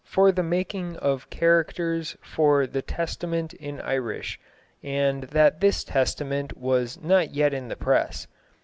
"for the making of carecters for the testament in irishe," and that this Testament was not yet in the press.